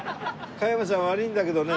加山ちゃん悪いんだけどね。